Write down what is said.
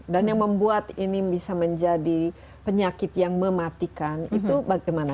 dan yang membuat ini bisa menjadi penyakit yang mematikan itu bagaimana